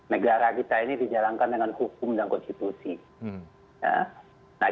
negara kita ini dijalankan dengan hukum dan konstitusi